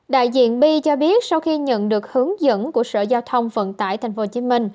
đại diện bi cho biết sau khi nhận được hướng dẫn của sở giao thông vận tải tp hcm